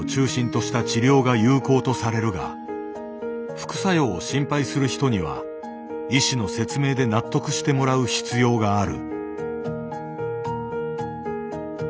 副作用を心配する人には医師の説明で納得してもらう必要がある。